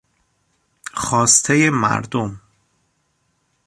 خواستهی مردم